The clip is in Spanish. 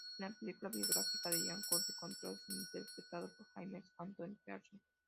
En la película biográfica de Ian Curtis, "Control", es interpretado por James Anthony Pearson.